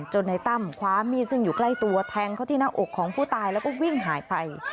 ในตั้มคว้ามีดซึ่งอยู่ใกล้ตัวแทงเขาที่หน้าอกของผู้ตายแล้วก็วิ่งหายไป